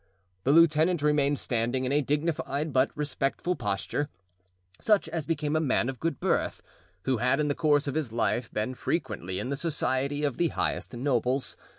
The lieutenant remained standing in a dignified but respectful posture, such as became a man of good birth, who had in the course of his life been frequently in the society of the highest nobles.